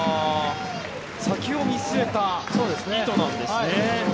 先を見据えた意図なんですね。